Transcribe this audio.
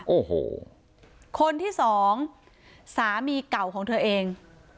โอ้โหคนที่สองสามีเก่าของเธอเอง